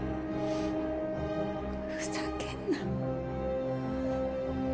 ふざけんな。